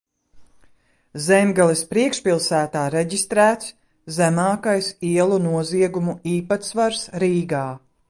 Zemgales priekšpilsētā reģistrēts zemākais ielu noziegumu īpatsvars Rīgā.